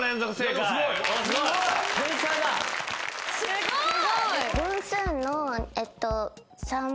すごい！